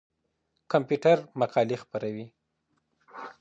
کمپيوټر مقالې خپروي.